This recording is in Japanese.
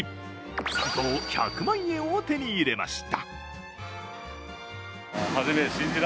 ３等１００万円を手に入れました。